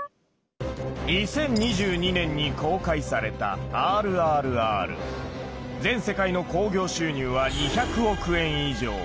２０２２年に公開された全世界の興行収入は２００億円以上。